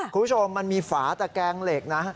คุณผู้ชมมันมีฝาตะแกงเหล็กนะ